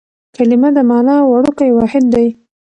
کلیمه د مانا وړوکی واحد دئ.